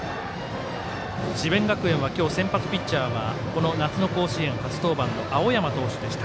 智弁学園は今日先発ピッチャーはこの夏の甲子園初登板の青山投手でした。